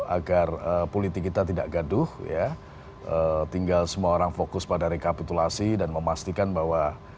agar politik kita tidak gaduh ya tinggal semua orang fokus pada rekapitulasi dan memastikan bahwa